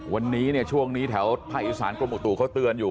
วันนี้เนี่ยช่วงนี้แถวภาคอีสานกรมอุตุเขาเตือนอยู่